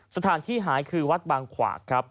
สถานที่หายคือวัดบางขวากครับ